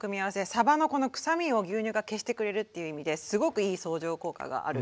さばのこの臭みを牛乳が消してくれるっていう意味ですごくいい相乗効果がある。